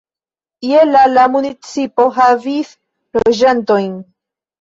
Je la la municipo havis loĝantojn.